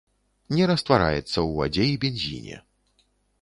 Не раствараецца ў вадзе і бензіне.